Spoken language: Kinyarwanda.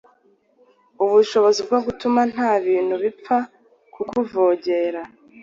ubushobozi bwo gutuma nta bintu bipfa kukuvogera.